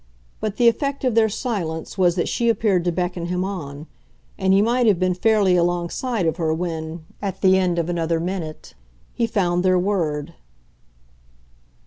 But the effect of their silence was that she appeared to beckon him on, and he might have been fairly alongside of her when, at the end of another minute, he found their word.